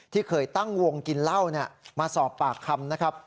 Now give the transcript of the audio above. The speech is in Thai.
ที่เคยตั้งวงกินเหล้ามาสอบปากคำนะครับ